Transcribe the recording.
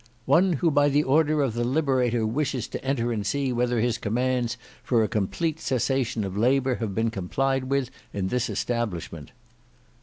"One who by the order of the Liberator wishes to enter and see whether his commands for a complete cessation of labour have been complied with in this establishment."